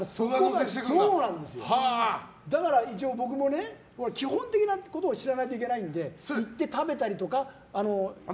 だから、一応、僕もね基本的なことを知らないといけないので行って食べたりとか。